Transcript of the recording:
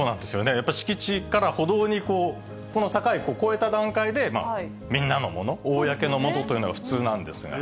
やっぱり敷地から歩道にこう、この境を越えた段階で、みんなのもの、公のものというのが普通なんですが。